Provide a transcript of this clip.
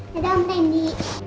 dadah om rendi